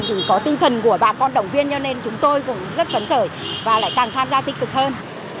dù có tinh thần của bà con động viên cho nên chúng tôi cũng rất phấn khởi và lại càng tham gia tích cực hơn